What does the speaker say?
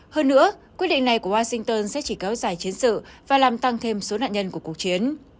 hơn nữa quyết định này của washington sẽ chỉ kéo dài chiến sự và làm tăng thêm số nạn nhân của cuộc chiến